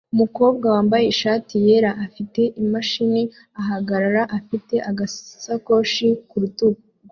Umukobwa wambaye ishati yera afite imashini ahagarara afite agasakoshi ku rutugu